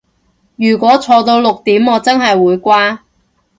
如果坐到六點我真係會瓜